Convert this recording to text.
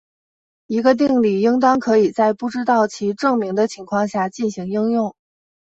一个定理应当可以在不知道其证明的情况下进行应用。